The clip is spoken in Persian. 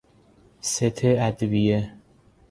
ست ادویه